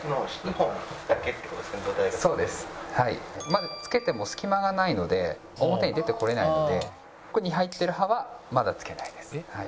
まだつけても隙間がないので表に出てこれないので奥に入っている歯はまだつけないです。